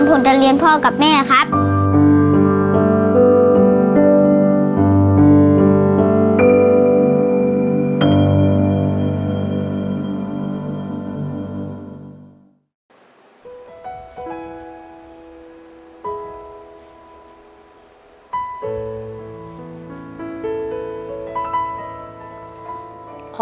ผมจะเรียนพ่อกับแม่ครับ